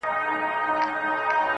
• دغه د کرکي او نفرت کليمه.